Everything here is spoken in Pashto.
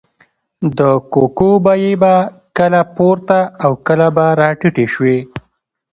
د کوکو بیې به کله پورته او کله به راټیټې شوې.